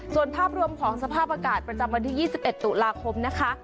ส่วนภาพรวมของสภาพอากาศประจำวันที่๒๑ตุลาคมนะคะ